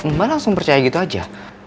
mama langsung percaya gitu aja